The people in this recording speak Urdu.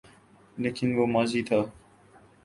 لیکن وہ ماضی تھا۔